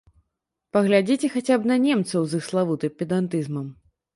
Паглядзіце хаця б на немцаў з іх славутым педантызмам.